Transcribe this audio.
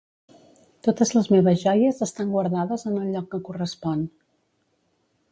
Totes les meves joies estan guardades en el lloc que correspon.